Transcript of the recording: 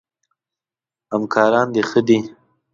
همکاران د ښه دي؟